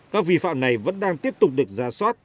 các vi phạm này vẫn đang tiếp tục được ra soát